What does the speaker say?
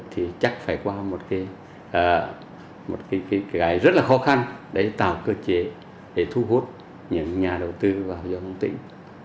thì chắc phải qua một cái gãi rất là khó khăn để tạo cơ chế để thu hút những nhà đầu tư vào giáo dục tỉnh